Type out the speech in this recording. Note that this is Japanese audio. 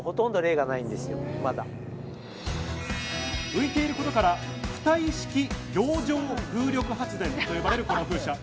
浮いていることから浮体式洋上風力発電と呼ばれるこの風車。